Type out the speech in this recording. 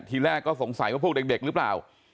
ทีแรกก็สงสัยว่าพวกเด็กลืมป่ะ